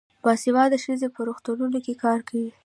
باسواده ښځې په روغتونونو کې کار کوي.